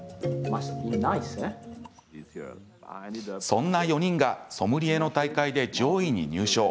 そんな４人がソムリエの大会で上位に入賞。